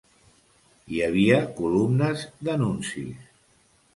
Hi havia columnes d'anuncis.